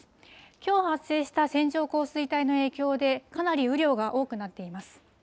きょう発生した線状降水帯の影響で、かなり雨量が多くなっています。